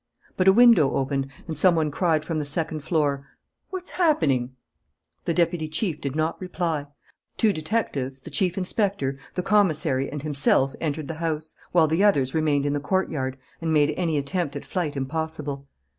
But a window opened and some one cried from the second floor: "What's happening?" The deputy chief did not reply. Two detectives, the chief inspector, the commissary, and himself entered the house, while the others remained in the courtyard and made any attempt at flight impossible.